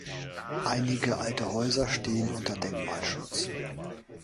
Einige alte Häuser stehen unter Denkmalschutz.